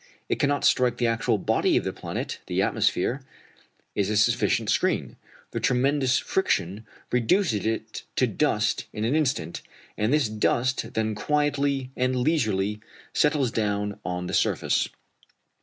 It cannot strike the actual body of the planet the atmosphere is a sufficient screen; the tremendous friction reduces it to dust in an instant, and this dust then quietly and leisurely settles down on to the surface.